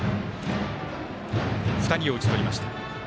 ２人を打ち取りました。